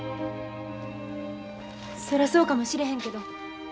それはそうかもしれへんけど。